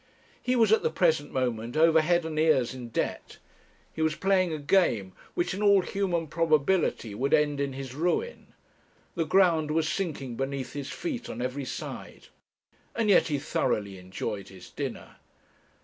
He was at the present moment over head and ears in debt; he was playing a game which, in all human probability, would end in his ruin; the ground was sinking beneath his feet on every side; and yet he thoroughly enjoyed his dinner.